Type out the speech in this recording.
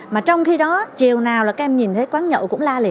mà trong khi đó chiều nào là các em nhìn thấy quán nhậu cũng la liệt